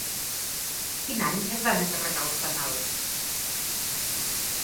Quin any es van encarregar els fanals?